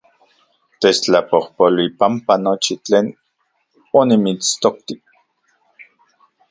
Techtlapojpolui panpa nochi tlen onimitstokti